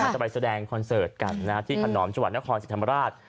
จะไปแสดงคอนเสิร์ตกันนะที่ผ่านหนอมจังหวัดนครสิทธิ์ธรรมราช